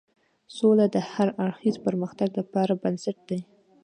سوله د هر اړخیز پرمختګ لپاره بنسټ ده.